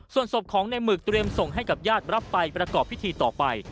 ส่วนศพของในหมึกเตรียมส่งให้กับญาติรับไปประกอบพิธีต่อไป